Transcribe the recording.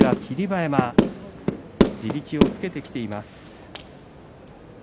馬山地力をつけてきています。